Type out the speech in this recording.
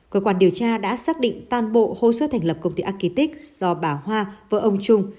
cơ quan điều tra đã xác định toàn bộ hồ sơ thành lập công ty aqitic do bà hoa vợ ông trung